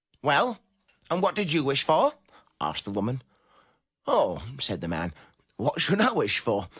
*' Well, and what did you wish for?*' asked the woman. ''Oh!" said the man, "What should I wish for?